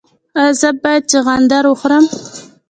ایا زه باید چغندر وخورم؟